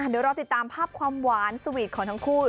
เดี๋ยวเราติดตามภาพความหวานสวีทของทั้งคู่